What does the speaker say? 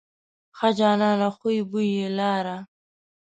ښه جانانه خوی بوی یې لاره.